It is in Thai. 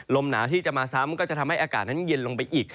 ลมหนาวที่จะมาซ้ำก็จะทำให้อากาศนั้นเย็นลงไปอีก